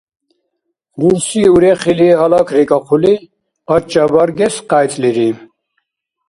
Рурси, урехили гьалакрикӀахъули, къача баргес къяйцӀлири.